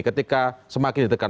ketika semakin ditekan